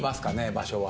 場所は。